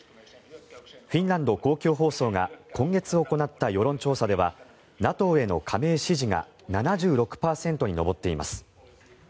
フィンランド公共放送が今月行った世論調査ではＮＡＴＯへの加盟支持が７６％に上っています。